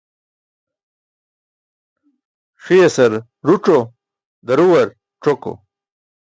Ṣiyasar ruc̣o, duruwar c̣oko.